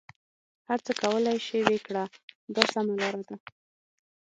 هر څه کولای شې ویې کړه دا سمه لاره ده.